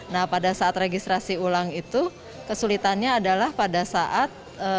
nah pada saat registrasi ulang itu kesulitannya adalah pada saat